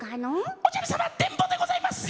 おじゃる様電ボでございます！